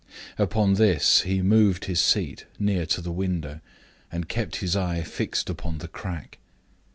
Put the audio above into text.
Upon this he moved his seat near to the window, and kept his eye fixed upon the crack.